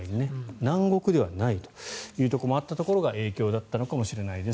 南国ではないというところもあったのが影響だったのかもしれないです。